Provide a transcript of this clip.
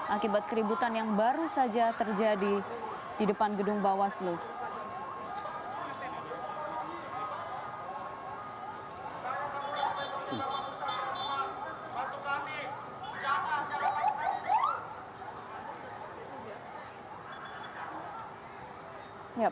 akibat keributan yang baru saja terjadi di depan gedung bawaslu